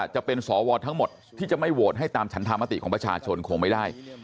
จะเป็นสวทั้งหมดที่จะไม่โหวตให้ตามฉันธรรมติของประชาชนคงไม่ได้